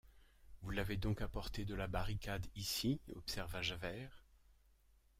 Vous l’avez donc apporté de la barricade ici? observa Javert.